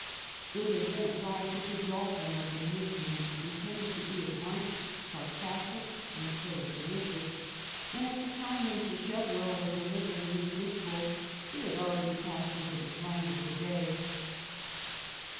It had been applied to Gkxlolphin as a nickname, in tended to be at once sarcastic and characteristic, and at the time when Sacheverell was delivering his dis course it had already passed into the slang of the day.